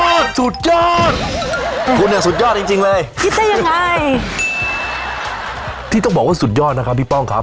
สุดยอดคุณเนี่ยสุดยอดจริงจริงเลยคิดได้ยังไงที่ต้องบอกว่าสุดยอดนะครับพี่ป้องครับ